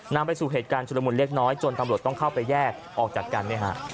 นำไปสู่เหตุการณ์ชุดละมุนเล็กน้อยจนตำรวจต้องเข้าไปแยกออกจากกันเนี่ยฮะ